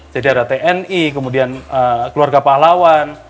jadi ada tni kemudian keluarga palawan